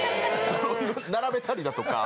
並べたりだとか。